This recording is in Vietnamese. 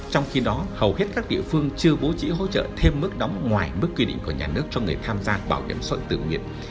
trong khi đó hầu hết các địa phương chưa vô chỉ hỗ trợ thêm mức đóng ngoài mức quy định của nhà nước cho người tham gia bảo hiểm sội tự nguyện